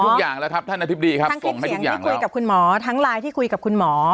ทั้งคลิปเสียงที่คุยกับคุณหมอทั้งไลน์ที่คุยกับคุณหมอ